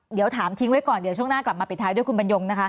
เดี๋ยวถามทิ้งไว้ก่อนเดี๋ยวช่วงหน้ากลับมาปิดท้ายด้วยคุณบรรยงนะคะ